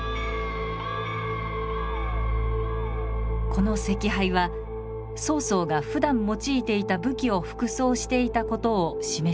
この石牌は曹操がふだん用いていた武器を副葬していた事を示していたのです。